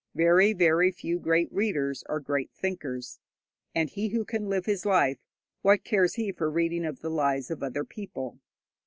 Very, very few great readers are great thinkers. And he who can live his life, what cares he for reading of the lives of other people?